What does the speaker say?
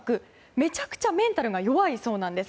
めちゃくちゃメンタルが弱いそうなんです。